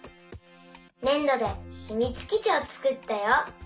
ねんどでひみつきちをつくったよ。